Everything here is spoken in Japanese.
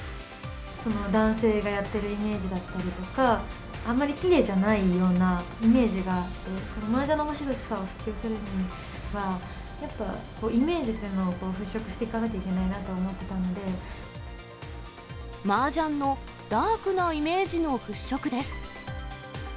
男性がやってるイメージだったりとか、あんまりきれいじゃないようなイメージがあって、マージャンのおもしろさを普及するには、やっぱイメージっていうのを払拭していかなければいけないと思っマージャンのダークなイメージの払拭です。